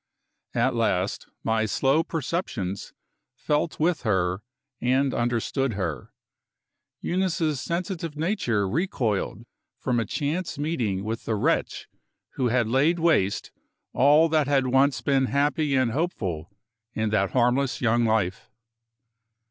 At last, my slow perceptions felt with her and understood her. Eunice's sensitive nature recoiled from a chance meeting with the wretch who had laid waste all that had once been happy and hopeful in that harmless young life.